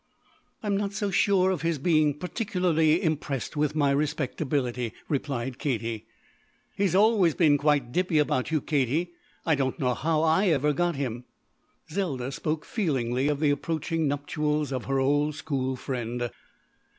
"I'm not so sure of his being particularly impressed with my respectability," replied Katie. "He's always been quite dippy about you, Katie. I don't know how I ever got him." Zelda spoke feelingly of the approaching nuptials of her old school friend.